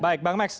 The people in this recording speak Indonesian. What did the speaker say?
baik bang max